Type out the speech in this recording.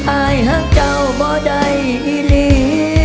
อายหักเจ้าบ่ได้อีหลี